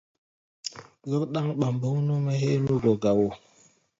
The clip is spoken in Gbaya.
Zɔ́k ɗáŋ ɓambuŋ nú-mɛ́ héé nú gɔ̧ gá wó.